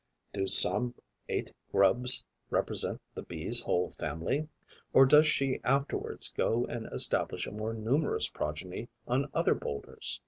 Do some eight grubs represent the Bee's whole family? Or does she afterwards go and establish a more numerous progeny on other boulders?